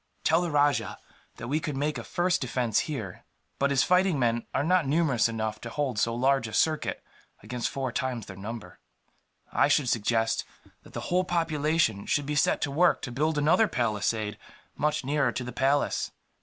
"Tell the rajah that we could make a first defence, here, but his fighting men are not numerous enough to hold so large a circuit against four times their number. I should suggest that the whole population should be set to work to build another palisade, much nearer to the palace.